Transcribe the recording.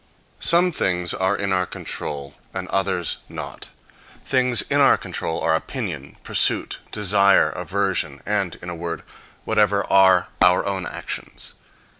Some things are in our control and others not. Things in our control are opinion, pursuit, desire, aversion, and, in a word, whatever are our own actions.